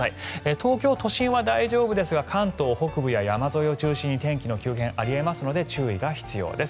東京都心は大丈夫ですが関東北部山沿いを中心に天気の急変があり得ますので注意が必要です。